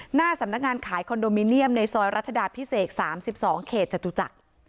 หน้าสำนักงานขายคอนโดมิเนียมในซอยรัชดาพิเศษ๓๒เขตจตุจักร